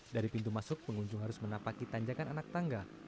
dari pintu masuk pengunjung harus menapaki tanjakan anak tangga